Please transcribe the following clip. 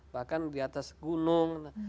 bahkan di atas gunung